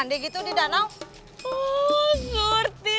nggak ada buktinya nyomut